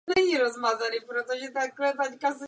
Základní linka písně je ale v obou verzích stejná.